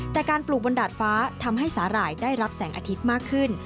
แต่การปลูกบนดาดฟ้าทำให้สาหร่ายได้รับแสงอาทิตย์มากขึ้น